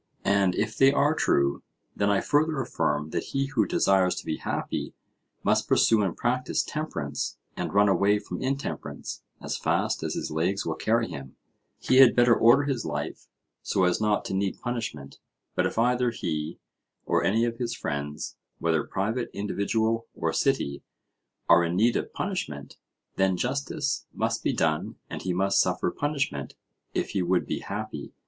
And if they are true, then I further affirm that he who desires to be happy must pursue and practise temperance and run away from intemperance as fast as his legs will carry him: he had better order his life so as not to need punishment; but if either he or any of his friends, whether private individual or city, are in need of punishment, then justice must be done and he must suffer punishment, if he would be happy.